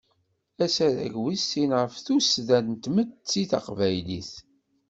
Asarag wis sin ɣef tuddsa n tmetti taqbaylit.